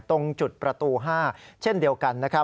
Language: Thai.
ตรงจุดประตู๕เช่นเดียวกัน